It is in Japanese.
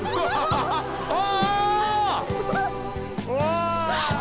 あ！あ。